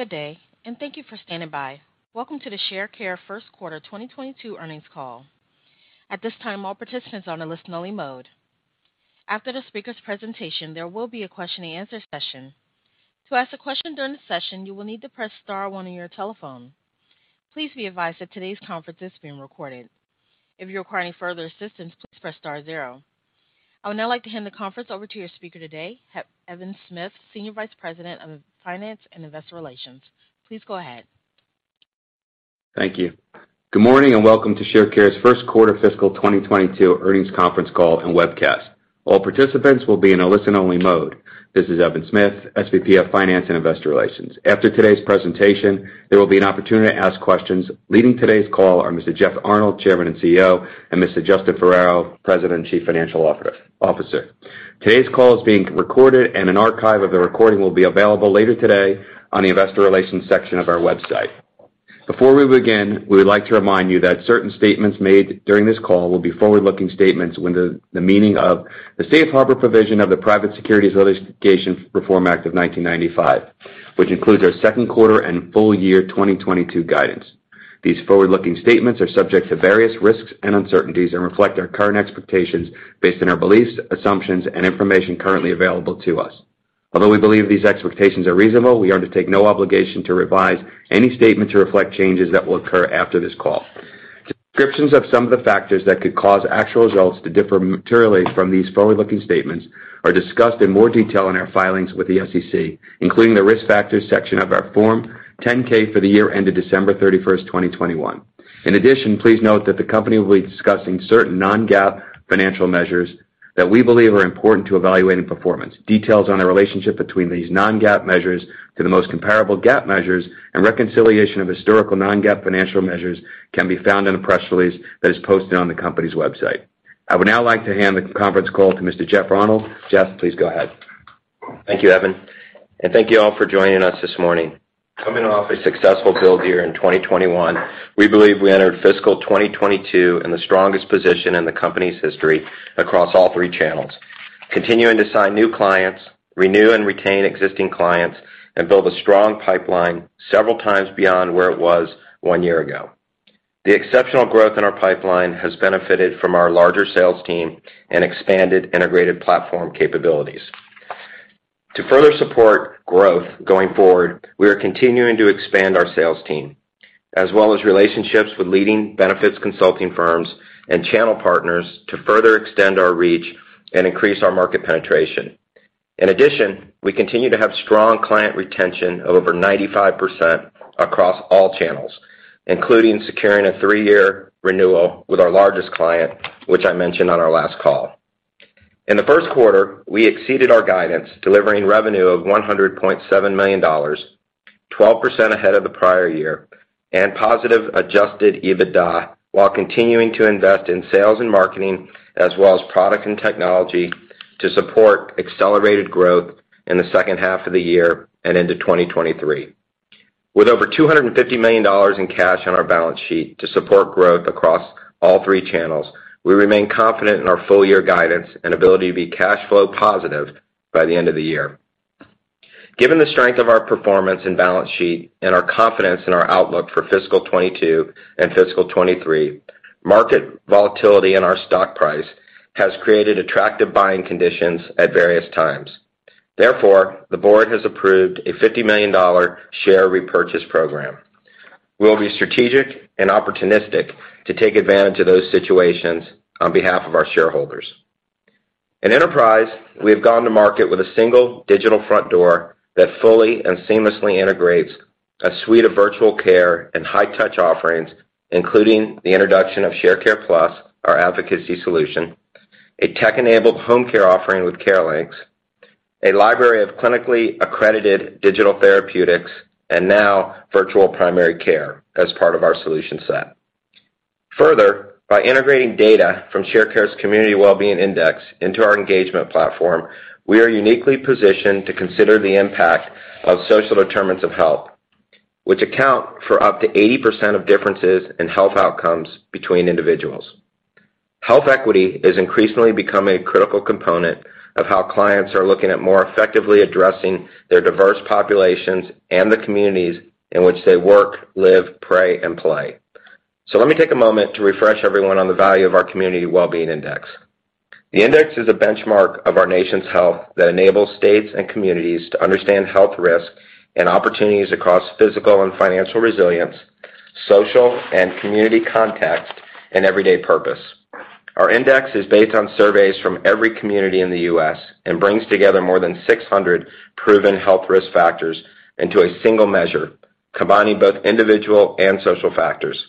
Good day, and thank you for standing by. Welcome to the Sharecare first quarter 2022 earnings call. At this time, all participants are on a listen-only mode. After the speaker's presentation, there will be a question and answer session. To ask a question during the session, you will need to press star one on your telephone. Please be advised that today's conference is being recorded. If you require any further assistance, please press star zero. I would now like to hand the conference over to your speaker today, Evan Smith, Senior Vice President of Finance and Investor Relations. Please go ahead. Thank you. Good morning, and welcome to Sharecare's first quarter fiscal 2022 earnings conference call and webcast. All participants will be in a listen-only mode. This is Evan Smith, SVP of Finance and Investor Relations. After today's presentation, there will be an opportunity to ask questions. Leading today's call are Mr. Jeff Arnold, Chairman and CEO, and Mr. Justin Ferrero, President and Chief Financial Officer. Today's call is being recorded, and an archive of the recording will be available later today on the investor relations section of our website. Before we begin, we would like to remind you that certain statements made during this call will be forward-looking statements under the meaning of the Safe Harbor provision of the Private Securities Litigation Reform Act of 1995, which includes our second quarter and full year 2022 guidance. These forward-looking statements are subject to various risks and uncertainties and reflect our current expectations based on our beliefs, assumptions, and information currently available to us. Although we believe these expectations are reasonable, we undertake no obligation to revise any statement to reflect changes that will occur after this call. Descriptions of some of the factors that could cause actual results to differ materially from these forward-looking statements are discussed in more detail in our filings with the SEC, including the Risk Factors section of our Form 10-K for the year ended December 31, 2021. In addition, please note that the company will be discussing certain non-GAAP financial measures that we believe are important to evaluating performance. Details on the relationship between these non-GAAP measures to the most comparable GAAP measures and reconciliation of historical non-GAAP financial measures can be found in the press release that is posted on the company's website. I would now like to hand the conference call to Mr. Jeff Arnold. Jeff, please go ahead. Thank you, Evan, and thank you all for joining us this morning. Coming off a successful build year in 2021, we believe we entered fiscal 2022 in the strongest position in the company's history across all three channels, continuing to sign new clients, renew and retain existing clients, and build a strong pipeline several times beyond where it was one year ago. The exceptional growth in our pipeline has benefited from our larger sales team and expanded integrated platform capabilities. To further support growth going forward, we are continuing to expand our sales team, as well as relationships with leading benefits consulting firms and channel partners to further extend our reach and increase our market penetration. In addition, we continue to have strong client retention of over 95% across all channels, including securing a three-year renewal with our largest client, which I mentioned on our last call. In the first quarter, we exceeded our guidance, delivering revenue of $100.7 million, 12% ahead of the prior year and positive adjusted EBITDA while continuing to invest in sales and marketing as well as product and technology to support accelerated growth in the second half of the year and into 2023. With over $250 million in cash on our balance sheet to support growth across all three channels, we remain confident in our full year guidance and ability to be cash flow positive by the end of the year. Given the strength of our performance and balance sheet and our confidence in our outlook for fiscal 2022 and fiscal 2023, market volatility in our stock price has created attractive buying conditions at various times. Therefore, the board has approved a $50 million share repurchase program. We'll be strategic and opportunistic to take advantage of those situations on behalf of our shareholders. In enterprise, we have gone to market with a single digital front door that fully and seamlessly integrates a suite of virtual care and high touch offerings, including the introduction of Sharecare Plus, our advocacy solution, a tech-enabled home care offering with CareLinx, a library of clinically accredited digital therapeutics, and now virtual primary care as part of our solution set. Further, by integrating data from Sharecare's Community Well-Being Index into our engagement platform, we are uniquely positioned to consider the impact of social determinants of health, which account for up to 80% of differences in health outcomes between individuals. Health equity is increasingly becoming a critical component of how clients are looking at more effectively addressing their diverse populations and the communities in which they work, live, pray, and play. Let me take a moment to refresh everyone on the value of our Community Well-Being Index. The index is a benchmark of our nation's health that enables states and communities to understand health risks and opportunities across physical and financial resilience, social and community context, and everyday purpose. Our index is based on surveys from every community in the U.S. and brings together more than 600 proven health risk factors into a single measure, combining both individual and social factors.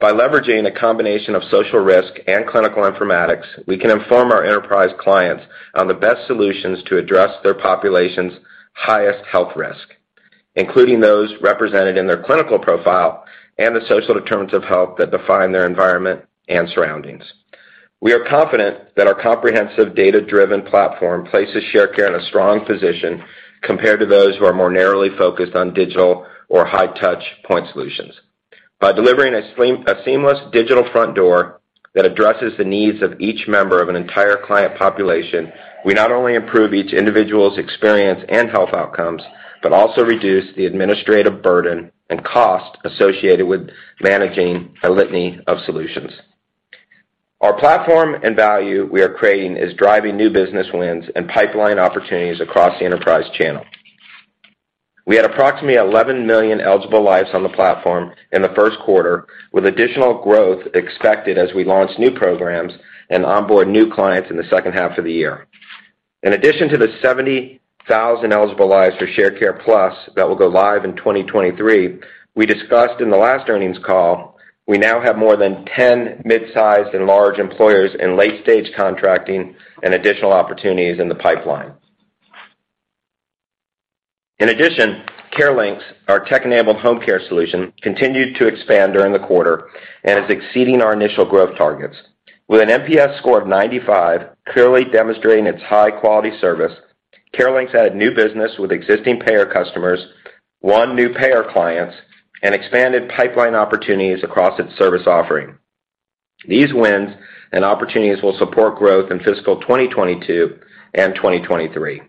By leveraging a combination of social risk and clinical informatics, we can inform our enterprise clients on the best solutions to address their population's highest health risk, including those represented in their clinical profile and the social determinants of health that define their environment and surroundings. We are confident that our comprehensive data-driven platform places Sharecare in a strong position compared to those who are more narrowly focused on digital or high touch point solutions. By delivering a seamless digital front door that addresses the needs of each member of an entire client population, we not only improve each individual's experience and health outcomes, but also reduce the administrative burden and cost associated with managing a litany of solutions. Our platform and value we are creating is driving new business wins and pipeline opportunities across the enterprise channel. We had approximately 11 million eligible lives on the platform in the first quarter, with additional growth expected as we launch new programs and onboard new clients in the second half of the year. In addition to the 70,000 eligible lives for Sharecare Plus that will go live in 2023, as we discussed in the last earnings call, we now have more than 10 mid-sized and large employers in late-stage contracting and additional opportunities in the pipeline. In addition, CareLinx, our tech-enabled home care solution, continued to expand during the quarter and is exceeding our initial growth targets. With an NPS score of 95, clearly demonstrating its high-quality service, CareLinx had new business with existing payer customers, won new payer clients, and expanded pipeline opportunities across its service offering. These wins and opportunities will support growth in fiscal 2022 and 2023.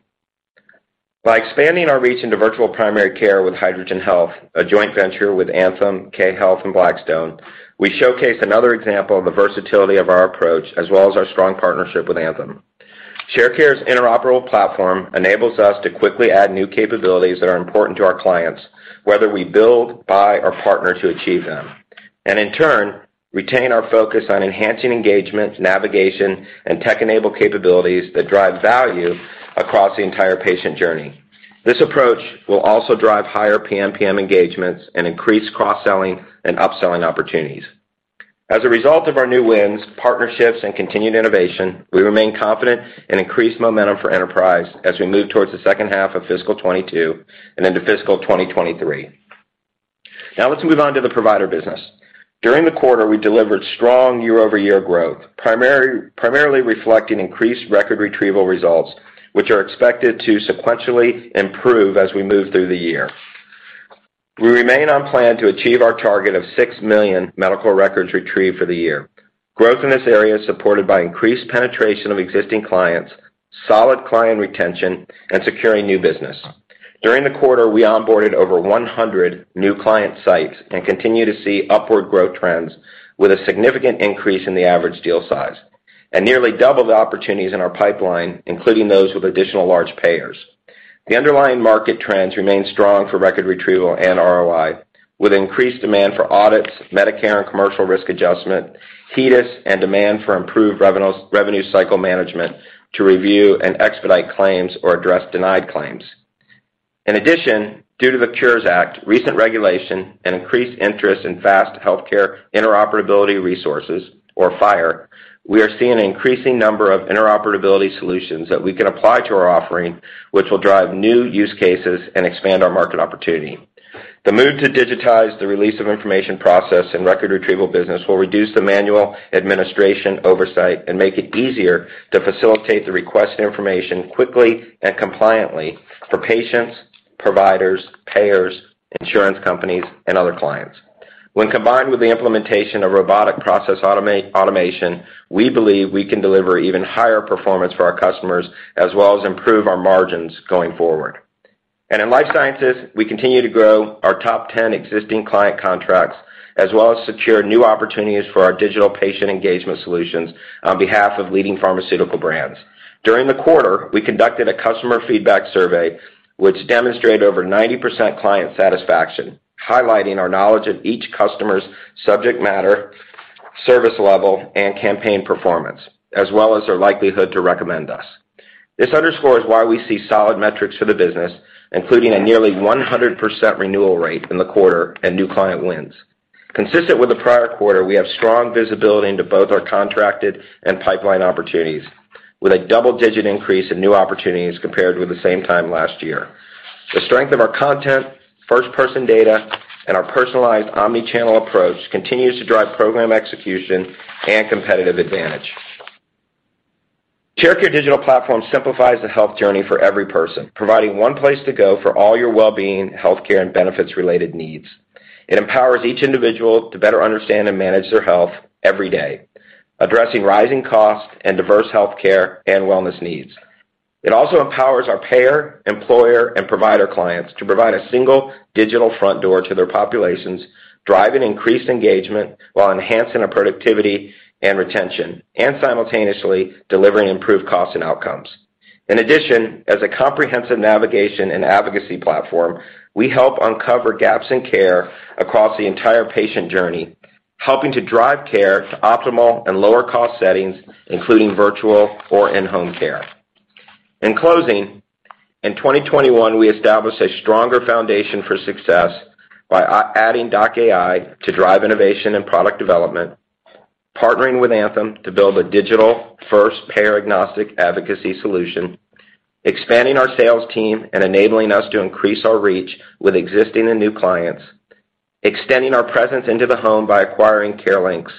By expanding our reach into virtual primary care with Hydrogen Health, a joint venture with Anthem, K Health, and Blackstone, we showcase another example of the versatility of our approach, as well as our strong partnership with Anthem. Sharecare's interoperable platform enables us to quickly add new capabilities that are important to our clients, whether we build, buy, or partner to achieve them. In turn, retain our focus on enhancing engagement, navigation, and tech-enabled capabilities that drive value across the entire patient journey. This approach will also drive higher PMPM engagements and increase cross-selling and upselling opportunities. As a result of our new wins, partnerships, and continued innovation, we remain confident in increased momentum for enterprise as we move towards the second half of fiscal 2022 and into fiscal 2023. Now let's move on to the provider business. During the quarter, we delivered strong year-over-year growth, primarily reflecting increased record retrieval results, which are expected to sequentially improve as we move through the year. We remain on plan to achieve our target of 6 million medical records retrieved for the year. Growth in this area is supported by increased penetration of existing clients, solid client retention, and securing new business. During the quarter, we onboarded over 100 new client sites and continue to see upward growth trends with a significant increase in the average deal size. Nearly double the opportunities in our pipeline, including those with additional large payers. The underlying market trends remain strong for record retrieval and ROI, with increased demand for audits, Medicare and commercial risk adjustment, HEDIS, and demand for improved revenue cycle management to review and expedite claims or address denied claims. In addition, due to the Cures Act, recent regulation, and increased interest in Fast Healthcare Interoperability Resources, or FHIR, we are seeing an increasing number of interoperability solutions that we can apply to our offering, which will drive new use cases and expand our market opportunity. The move to digitize the release of information process and record retrieval business will reduce the manual administration oversight and make it easier to facilitate the requested information quickly and compliantly for patients, providers, payers, insurance companies, and other clients. When combined with the implementation of robotic process automation, we believe we can deliver even higher performance for our customers, as well as improve our margins going forward. In life sciences, we continue to grow our top 10 existing client contracts as well as secure new opportunities for our digital patient engagement solutions on behalf of leading pharmaceutical brands. During the quarter, we conducted a customer feedback survey, which demonstrated over 90% client satisfaction, highlighting our knowledge of each customer's subject matter, service level, and campaign performance, as well as their likelihood to recommend us. This underscores why we see solid metrics for the business, including a nearly 100% renewal rate in the quarter and new client wins. Consistent with the prior quarter, we have strong visibility into both our contracted and pipeline opportunities, with a double-digit increase in new opportunities compared with the same time last year. The strength of our content, first-person data, and our personalized omni-channel approach continues to drive program execution and competitive advantage. Sharecare digital platform simplifies the health journey for every person, providing one place to go for all your well-being, healthcare, and benefits-related needs. It empowers each individual to better understand and manage their health every day, addressing rising costs and diverse healthcare and wellness needs. It also empowers our payer, employer, and provider clients to provide a single digital front door to their populations, driving increased engagement while enhancing our productivity and retention, and simultaneously delivering improved cost and outcomes. In addition, as a comprehensive navigation and advocacy platform, we help uncover gaps in care across the entire patient journey, helping to drive care to optimal and lower cost settings, including virtual or in-home care. In closing, in 2021 we established a stronger foundation for success by adding doc.ai to drive innovation and product development, partnering with Anthem to build a digital-first payer-agnostic advocacy solution, expanding our sales team and enabling us to increase our reach with existing and new clients, extending our presence into the home by acquiring CareLinx,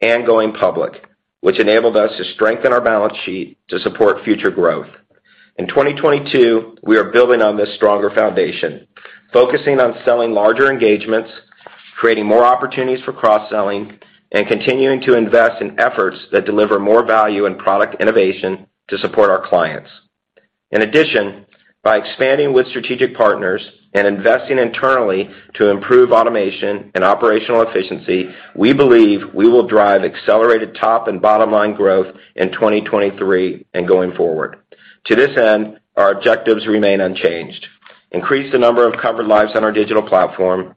and going public, which enabled us to strengthen our balance sheet to support future growth. In 2022, we are building on this stronger foundation, focusing on selling larger engagements, creating more opportunities for cross-selling, and continuing to invest in efforts that deliver more value and product innovation to support our clients. In addition, by expanding with strategic partners and investing internally to improve automation and operational efficiency, we believe we will drive accelerated top and bottom line growth in 2023 and going forward. To this end, our objectives remain unchanged. Increase the number of covered lives on our digital platform,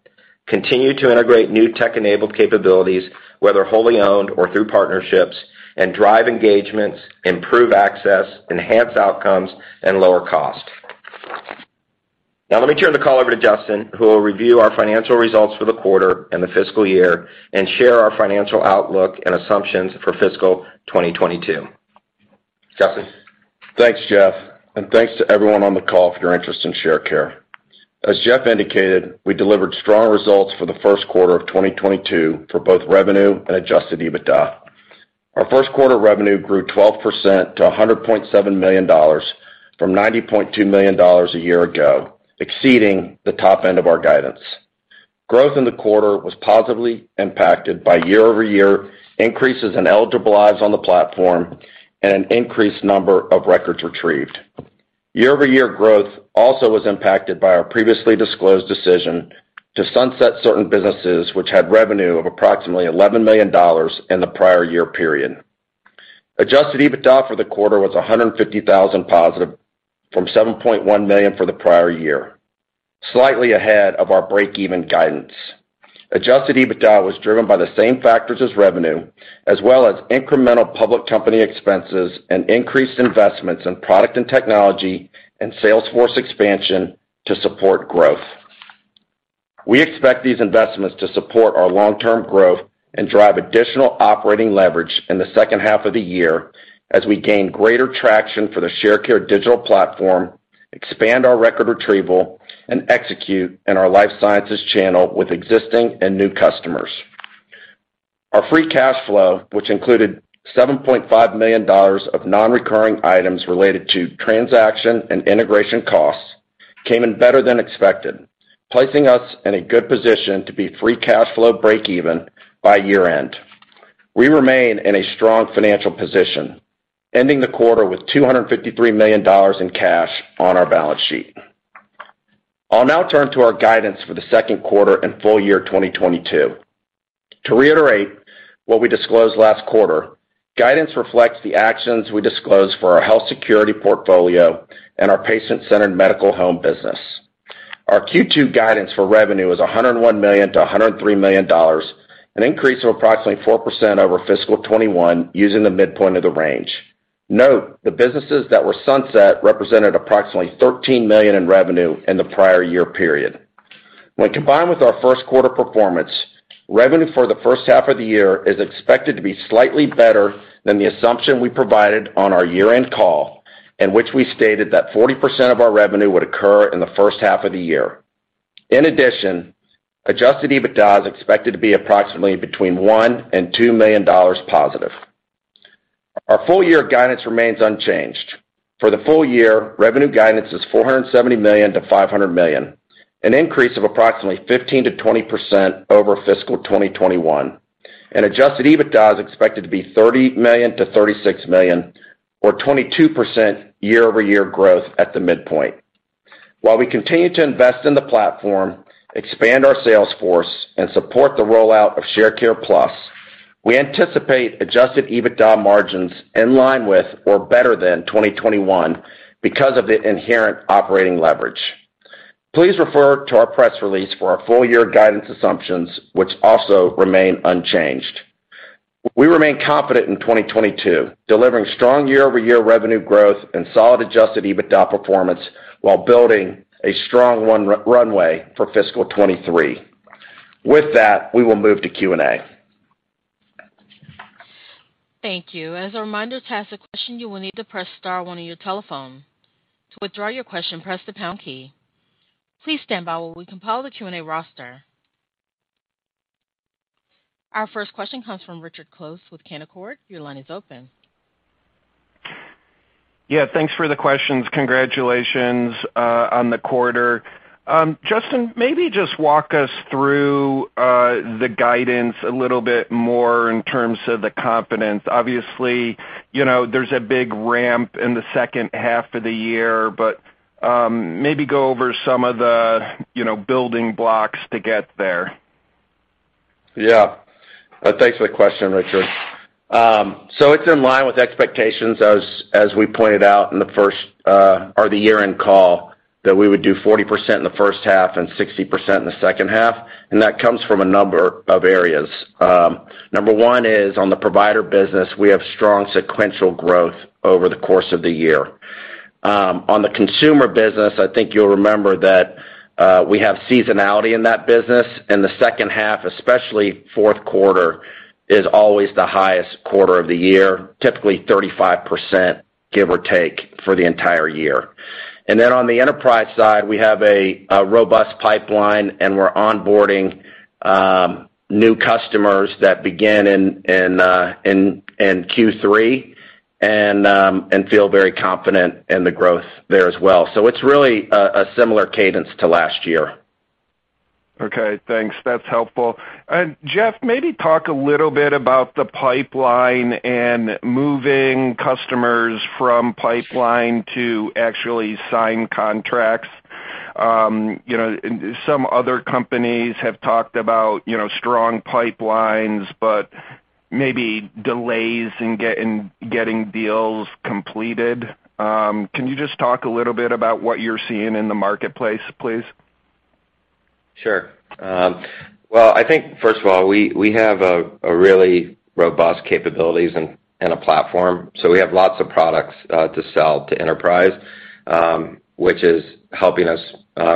continue to integrate new tech-enabled capabilities, whether wholly owned or through partnerships, and drive engagements, improve access, enhance outcomes, and lower cost. Now let me turn the call over to Justin, who will review our financial results for the quarter and the fiscal year and share our financial outlook and assumptions for fiscal 2022. Justin? Thanks, Jeff, and thanks to everyone on the call for your interest in Sharecare. As Jeff indicated, we delivered strong results for the first quarter of 2022 for both revenue and adjusted EBITDA. Our first quarter revenue grew 12% to $100.7 million from $90.2 million a year ago, exceeding the top end of our guidance. Growth in the quarter was positively impacted by year-over-year increases in eligible lives on the platform and an increased number of records retrieved. Year-over-year growth also was impacted by our previously disclosed decision to sunset certain businesses which had revenue of approximately $11 million in the prior year period. Adjusted EBITDA for the quarter was $150,000 positive from $7.1 million for the prior year, slightly ahead of our break-even guidance. Adjusted EBITDA was driven by the same factors as revenue, as well as incremental public company expenses and increased investments in product and technology and sales force expansion to support growth. We expect these investments to support our long-term growth and drive additional operating leverage in the second half of the year as we gain greater traction for the Sharecare digital platform, expand our record retrieval, and execute in our life sciences channel with existing and new customers. Our free cash flow, which included $7.5 million of non-recurring items related to transaction and integration costs, came in better than expected, placing us in a good position to be free cash flow break even by year-end. We remain in a strong financial position, ending the quarter with $253 million in cash on our balance sheet. I'll now turn to our guidance for the second quarter and full year 2022. To reiterate what we disclosed last quarter, guidance reflects the actions we disclosed for our health security portfolio and our patient-centered medical home business. Our Q2 guidance for revenue is $101 million-$103 million, an increase of approximately 4% over fiscal 2021 using the midpoint of the range. Note, the businesses that were sunset represented approximately $13 million in revenue in the prior year period. When combined with our first quarter performance, revenue for the first half of the year is expected to be slightly better than the assumption we provided on our year-end call, in which we stated that 40% of our revenue would occur in the first half of the year. In addition, adjusted EBITDA is expected to be approximately between $1 million and $2 million positive. Our full year guidance remains unchanged. For the full year, revenue guidance is $470 million-$500 million, an increase of approximately 15%-20% over fiscal 2021, and adjusted EBITDA is expected to be $30 million-$36 million or 22% year-over-year growth at the midpoint. While we continue to invest in the platform, expand our sales force, and support the rollout of Sharecare Plus, we anticipate adjusted EBITDA margins in line with or better than 2021 because of the inherent operating leverage. Please refer to our press release for our full year guidance assumptions, which also remain unchanged. We remain confident in 2022, delivering strong year-over-year revenue growth and solid adjusted EBITDA performance while building a strong runway for fiscal 2023. With that, we will move to Q&A. Thank you. As a reminder, to ask a question, you will need to press star one on your telephone. To withdraw your question, press the pound key. Please stand by while we compile the Q&A roster. Our first question comes from Richard Close with Canaccord. Your line is open. Yeah. Thanks for the questions. Congratulations on the quarter. Justin, maybe just walk us through the guidance a little bit more in terms of the confidence. Obviously, you know, there's a big ramp in the second half of the year, but maybe go over some of the, you know, building blocks to get there. Yeah. Thanks for the question, Richard. So it's in line with expectations as we pointed out in the first, or the year-end call, that we would do 40% in the first half and 60% in the second half, and that comes from a number of areas. Number one is on the provider business, we have strong sequential growth over the course of the year. On the consumer business, I think you'll remember that we have seasonality in that business, and the second half, especially fourth quarter, is always the highest quarter of the year, typically 35%, give or take, for the entire year. On the enterprise side, we have a robust pipeline and we're onboarding new customers that begin in Q3 and feel very confident in the growth there as well. It's really a similar cadence to last year. Okay, thanks. That's helpful. Jeff, maybe talk a little bit about the pipeline and moving customers from pipeline to actually signed contracts. You know, some other companies have talked about, you know, strong pipelines, but maybe delays in getting deals completed. Can you just talk a little bit about what you're seeing in the marketplace, please? Sure. Well, I think first of all, we have a really robust capabilities and a platform. We have lots of products to sell to enterprise, which is helping us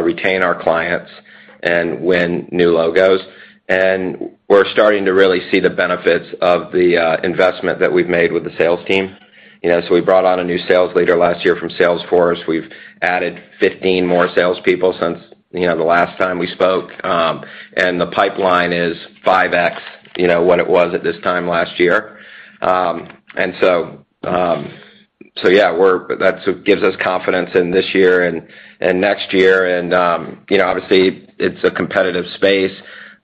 retain our clients and win new logos. We're starting to really see the benefits of the investment that we've made with the sales team. You know, we brought on a new sales leader last year from Salesforce. We've added 15 more sales people since the last time we spoke. The pipeline is 5x, you know, what it was at this time last year. Yeah, that gives us confidence in this year and next year, you know, obviously it's a competitive space,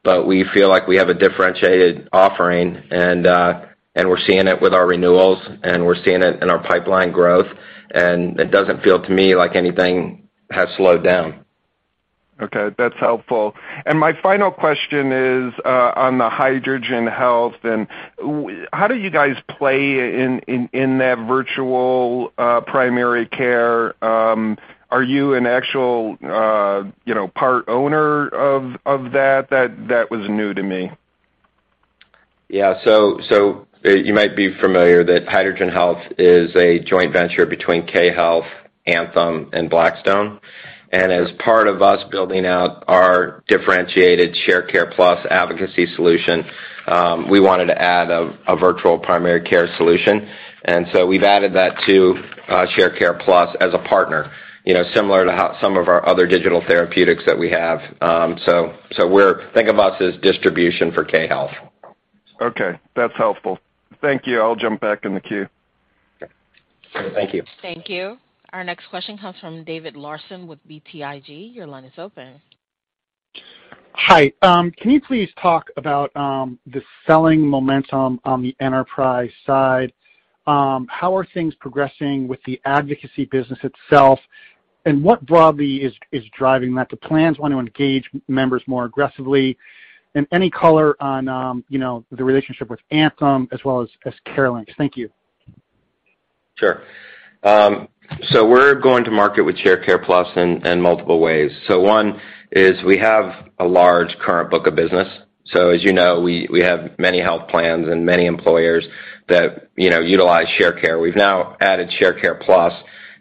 but we feel like we have a differentiated offering, and we're seeing it with our renewals, and we're seeing it in our pipeline growth. It doesn't feel to me like anything has slowed down. Okay, that's helpful. My final question is on the Hydrogen Health and how do you guys play in that virtual primary care? Are you an actual you know part owner of that? That was new to me. Yeah. You might be familiar that Hydrogen Health is a joint venture between K Health, Anthem, and Blackstone. As part of us building out our differentiated Sharecare Plus advocacy solution, we wanted to add a virtual primary care solution. We've added that to Sharecare Plus as a partner, you know, similar to how some of our other digital therapeutics that we have. Think of us as distribution for K Health. Okay, that's helpful. Thank you. I'll jump back in the queue. Thank you. Thank you. Our next question comes from David Larsen with BTIG. Your line is open. Hi. Can you please talk about the selling momentum on the enterprise side? How are things progressing with the advocacy business itself, and what broadly is driving that? The plans want to engage members more aggressively, and any color on, you know, the relationship with Anthem as well as CareLinx. Thank you. Sure. We're going to market with Sharecare Plus in multiple ways. One is we have a large current book of business. As you know, we have many health plans and many employers that, you know, utilize Sharecare. We've now added Sharecare Plus,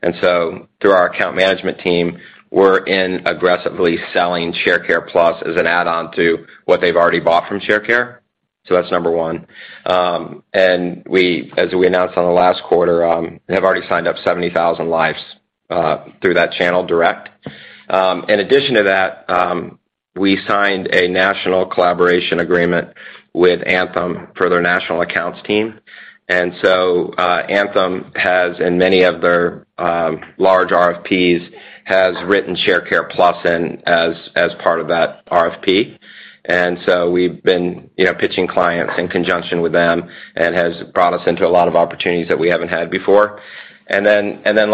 and so through our account management team, we're aggressively selling Sharecare Plus as an add-on to what they've already bought from Sharecare. That's number one. We, as we announced in the last quarter, have already signed up 70,000 lives through that channel direct. In addition to that, we signed a national collaboration agreement with Anthem for their national accounts team. Anthem has, in many of their large RFPs, written Sharecare Plus in as part of that RFP. We've been, you know, pitching clients in conjunction with them and has brought us into a lot of opportunities that we haven't had before.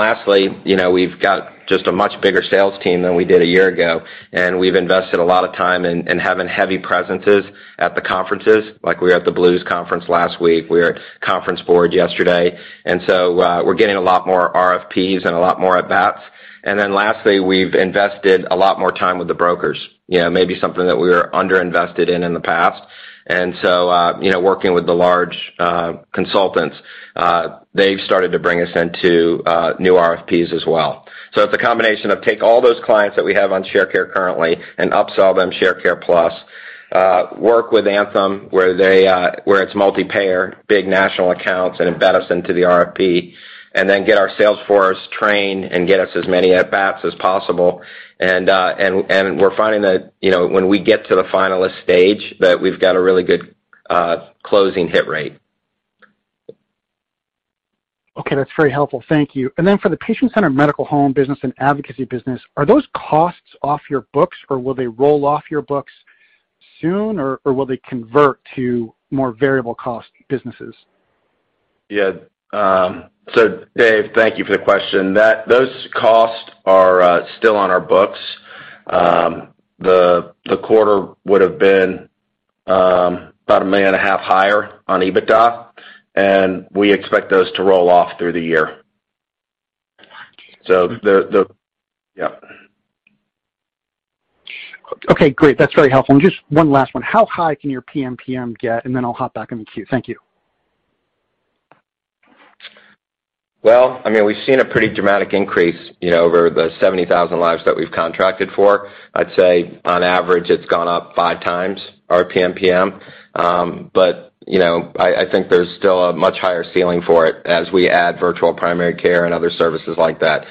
Lastly, you know, we've got just a much bigger sales team than we did a year ago, and we've invested a lot of time in having heavy presences at the conferences. Like, we were at the Blues conference last week, we were at Conference Board yesterday. We're getting a lot more RFPs and a lot more at-bats. We've invested a lot more time with the brokers, you know, maybe something that we were underinvested in in the past. Working with the large consultants, they've started to bring us into new RFPs as well. It's a combination of take all those clients that we have on Sharecare currently and upsell them Sharecare Plus, work with Anthem where it's multi-payer, big national accounts and embed us into the RFP, and then get our sales force trained and get us as many at-bats as possible. We're finding that, you know, when we get to the finalist stage that we've got a really good closing hit rate. Okay. That's very helpful. Thank you. For the patient-centered medical home business and advocacy business, are those costs off your books or will they roll off your books soon, or will they convert to more variable cost businesses? Yeah. Dave, thank you for the question. Those costs are still on our books. The quarter would've been about $1.5 million higher on EBITDA, and we expect those to roll off through the year. Okay, great. That's very helpful. Just one last one. How high can your PMPM get? Then I'll hop back in the queue. Thank you. Well, I mean, we've seen a pretty dramatic increase, you know, over the 70,000 lives that we've contracted for. I'd say on average, it's gone up 5x our PMPM. But you know, I think there's still a much higher ceiling for it as we add virtual primary care and other services like that.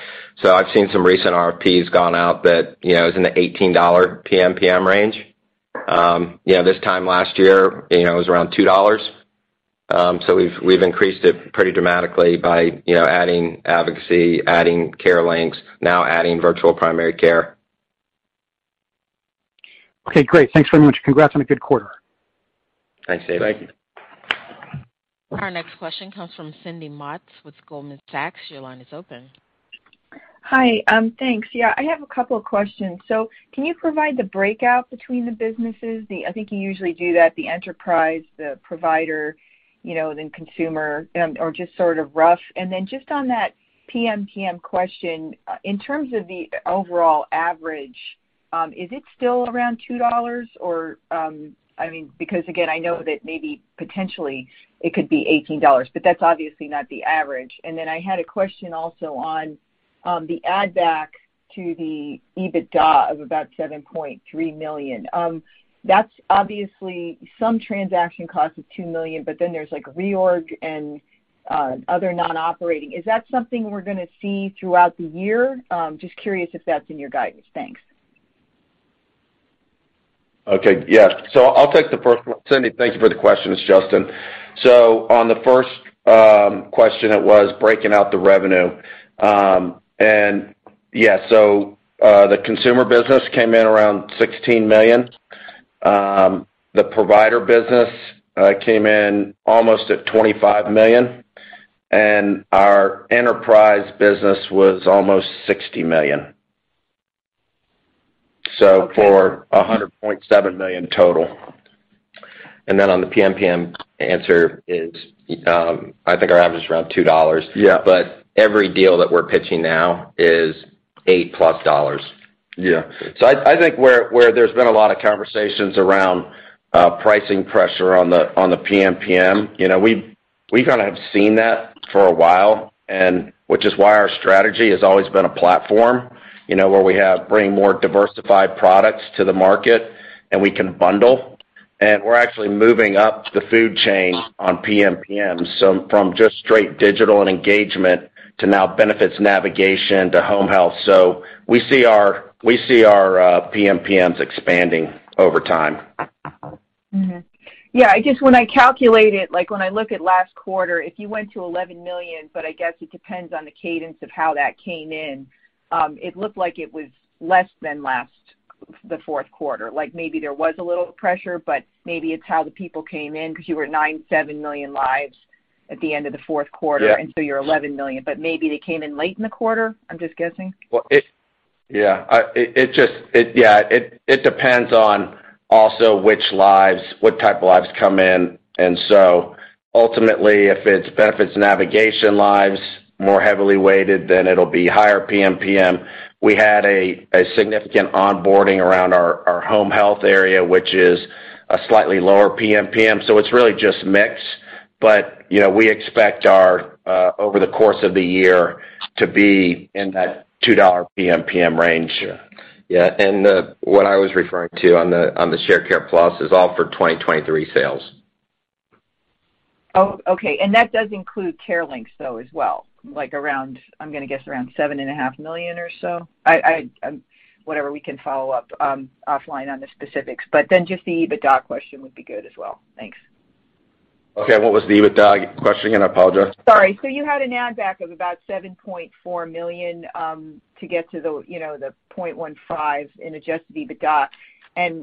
I've seen some recent RFPs gone out that, you know, is in the $18 PMPM range. Yeah, this time last year, you know, it was around $2. We've increased it pretty dramatically by, you know, adding advocacy, adding CareLinx, now adding virtual primary care. Okay, great. Thanks very much. Congrats on a good quarter. Thanks, David. Thank you. Our next question comes from Cindy Motz with Goldman Sachs. Your line is open. Hi. Thanks. Yeah, I have a couple of questions. Can you provide the breakout between the businesses? I think you usually do that, the enterprise, the provider, you know, then consumer, or just sort of rough. Just on that PMPM question, in terms of the overall average, is it still around $2 or, I mean, because again, I know that maybe potentially it could be $18, but that's obviously not the average. I had a question also on the add back to the EBITDA of about $7.3 million. That's obviously some transaction cost of $2 million, but then there's like reorg and other non-operating. Is that something we're gonna see throughout the year? Just curious if that's in your guidance. Thanks. Okay. Yeah. I'll take the first one. Cindy, thank you for the questions. It's Justin. On the first question, it was breaking out the revenue. The consumer business came in around $16 million. The provider business came in almost at $25 million, and our enterprise business was almost $60 million. For $100.7 million total. On the PMPM answer is, I think our average is around $2. Every deal that we're pitching now is $8+. Yeah. I think where there's been a lot of conversations around pricing pressure on the PMPM, you know, we kinda have seen that for a while, and which is why our strategy has always been a platform, you know, where we have bring more diversified products to the market, and we can bundle. We're actually moving up the food chain on PMPM, from just straight digital and engagement to now benefits navigation to home health. We see our PMPMs expanding over time. Yeah, I guess when I calculate it, like when I look at last quarter, if you went to 11 million, but I guess it depends on the cadence of how that came in, it looked like it was less than last quarter. Like, maybe there was a little pressure, but maybe it's how the people came in 'cause you were 9.7 million lives at the end of the fourth quarter you're $11 million. But maybe they came in late in the quarter? I'm just guessing. It depends on also which lives, what type of lives come in. Ultimately, if it's benefits navigation lives more heavily weighted, then it'll be higher PMPM. We had a significant onboarding around our home health area, which is a slightly lower PMPM, so it's really just mix. You know, we expect our over the course of the year to be in that $2 PMPM range. Yeah. What I was referring to on the Sharecare Plus is all for 2023 sales. Oh, okay. That does include CareLinx though as well, like around, I'm gonna guess, around $7.5 million or so. I whatever, we can follow up offline on the specifics. Then just the EBITDA question would be good as well. Thanks. Okay. What was the EBITDA question again? I apologize. Sorry. You had an add back of about $7.4 million to get to the $0.15 in adjusted EBITDA.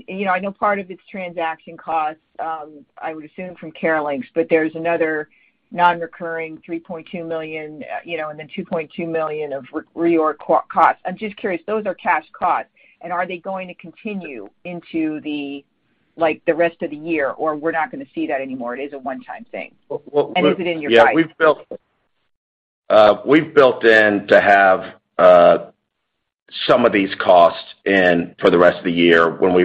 You know, I know part of it's transaction costs, I would assume from CareLinx, but there's another non-recurring $3.2 million, you know, and then $2.2 million of reorg costs. I'm just curious, those are cash costs, and are they going to continue into the, like, the rest of the year, or we're not gonna see that anymore, it is a one-time thing? Is it in your guidance? Yeah, we've built in to have some of these costs in for the rest of the year when we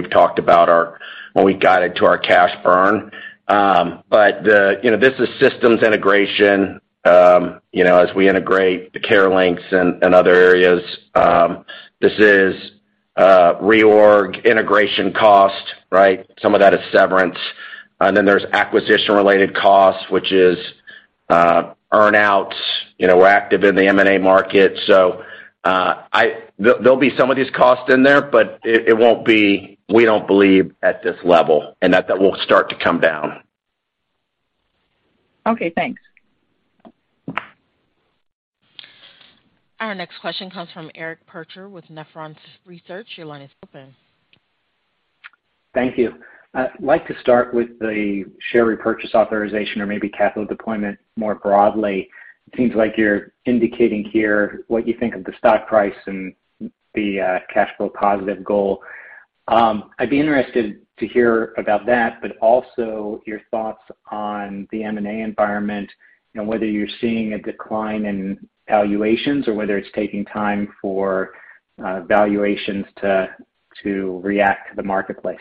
guided to our cash burn. You know, this is systems integration, you know, as we integrate the CareLinx and other areas. This is reorg integration cost, right? Some of that is severance. Then there's acquisition-related costs, which is earn-outs. You know, we're active in the M&A market. There'll be some of these costs in there, but it won't be, we don't believe, at this level, and that will start to come down. Okay, thanks. Our next question comes from Eric Percher with Nephron Research. Your line is open. Thank you. I'd like to start with the share repurchase authorization or maybe capital deployment more broadly. It seems like you're indicating here what you think of the stock price and the cash flow positive goal. I'd be interested to hear about that, but also your thoughts on the M&A environment and whether you're seeing a decline in valuations or whether it's taking time for valuations to react to the marketplace.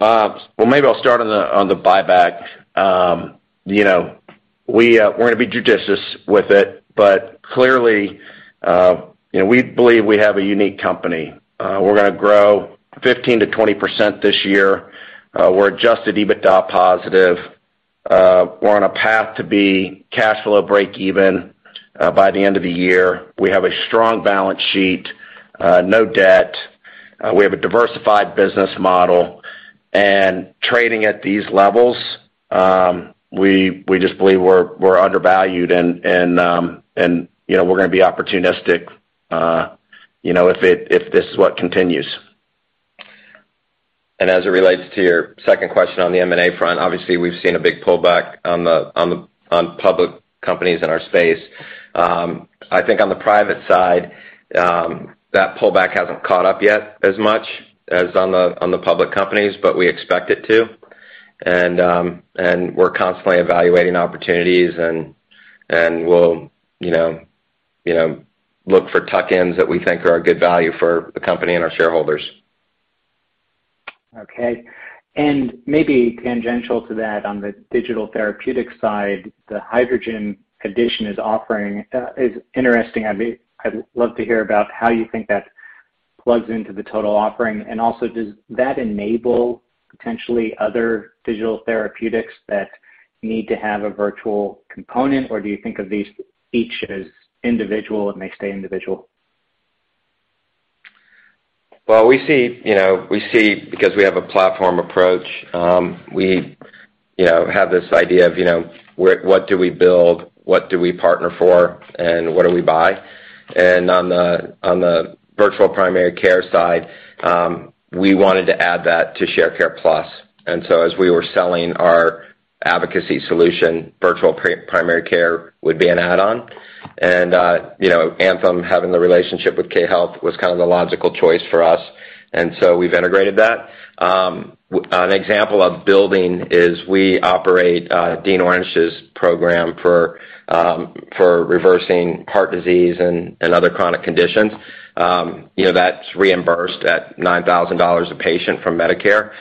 Well, maybe I'll start on the buyback. You know, we're gonna be judicious with it. Clearly, you know, we believe we have a unique company. We're gonna grow 15%-20% this year. We're adjusted EBITDA positive. We're on a path to be cash flow break even by the end of the year. We have a strong balance sheet, no debt. We have a diversified business model. Trading at these levels, we just believe we're undervalued and, you know, we're gonna be opportunistic, you know, if this is what continues. As it relates to your second question on the M&A front, obviously, we've seen a big pullback on public companies in our space. I think on the private side, that pullback hasn't caught up yet as much as on public companies, but we expect it to. We're constantly evaluating opportunities and we'll, you know, look for tuck-ins that we think are a good value for the company and our shareholders. Okay. Maybe tangential to that, on the digital therapeutic side, the Hydrogen addition is interesting. I'd love to hear about how you think that plugs into the total offering. Also, does that enable potentially other digital therapeutics that need to have a virtual component, or do you think of these each as individual and they stay individual? Well, we see, you know, we see because we have a platform approach, we, you know, have this idea of what do we build? What do we partner for, and what do we buy? On the virtual primary care side, we wanted to add that to Sharecare Plus. As we were selling our advocacy solution, virtual primary care would be an add-on. You know, Anthem having the relationship with K Health was kind of the logical choice for us. We've integrated that. An example of building is we operate Dean Ornish's program for reversing heart disease and other chronic conditions. You know, that's reimbursed at $9,000 a patient from Medicare.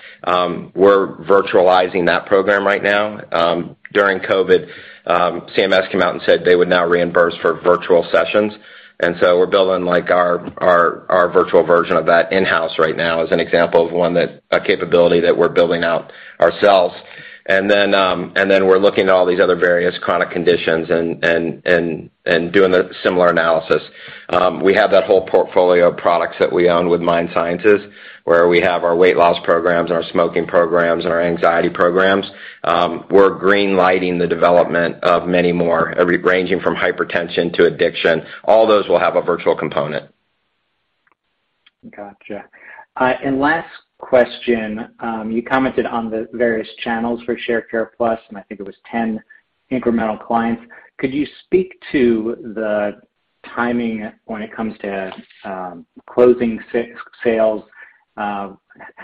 We're virtualizing that program right now. During COVID, CMS came out and said they would now reimburse for virtual sessions. We're building, like, our virtual version of that in-house right now as an example of a capability that we're building out ourselves. We're looking at all these other various chronic conditions and doing the similar analysis. We have that whole portfolio of products that we own with MindSciences, where we have our weight loss programs and our smoking programs and our anxiety programs. We're green-lighting the development of many more ranging from hypertension to addiction. All those will have a virtual component. Gotcha. Last question, you commented on the various channels for Sharecare Plus, and I think it was 10 incremental clients. Could you speak to the timing when it comes to closing sales,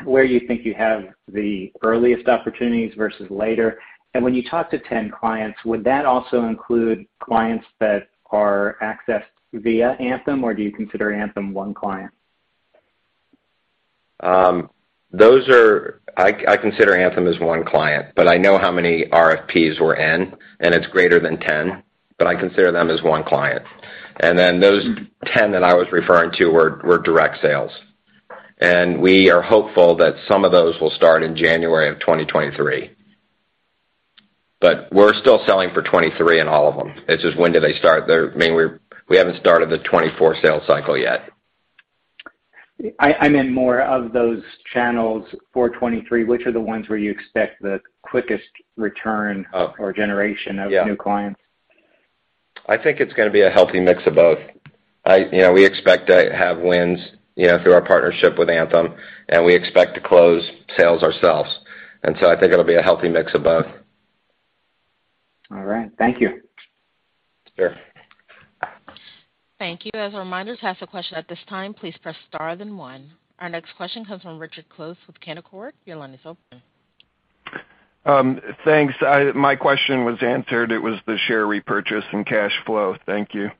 where you think you have the earliest opportunities versus later? When you talk to 10 clients, would that also include clients that are accessed via Anthem, or do you consider Anthem one client? I consider Anthem as one client, but I know how many RFPs we're in, and it's greater than 10, but I consider them as one client. Then those 10 that I was referring to were direct sales. We are hopeful that some of those will start in January of 2023. We're still selling for 2023 in all of them. It's just when do they start. They're, I mean, we haven't started the 2024 sales cycle yet. I mean more of those channels for 2023, which are the ones where you expect the quickest return or generation of new clients? I think it's gonna be a healthy mix of both. I, you know, we expect to have wins, you know, through our partnership with Anthem, and we expect to close sales ourselves. I think it'll be a healthy mix of both. All right. Thank you. Sure. Thank you. As a reminder, to ask a question at this time, please press star then one. Our next question comes from Richard Close with Canaccord Genuity. Your line is open. Thanks. My question was answered. It was the share repurchase and cash flow. Thank you.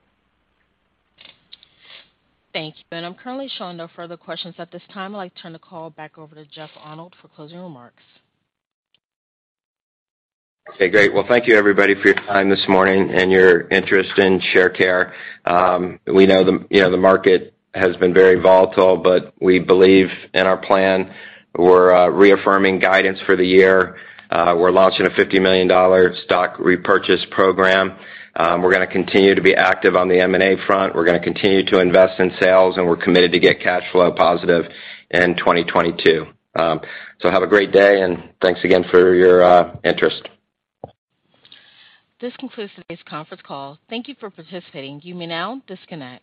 Thank you. I'm currently showing no further questions at this time. I'd like to turn the call back over to Jeff Arnold for closing remarks. Okay, great. Well, thank you everybody for your time this morning and your interest in Sharecare. We know the, you know, the market has been very volatile, but we believe in our plan. We're reaffirming guidance for the year. We're launching a $50 million stock repurchase program. We're gonna continue to be active on the M&A front. We're gonna continue to invest in sales, and we're committed to get cash flow positive in 2022. Have a great day, and thanks again for your interest. This concludes today's conference call. Thank you for participating. You may now disconnect.